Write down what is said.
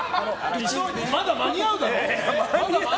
まだ間に合うだろ！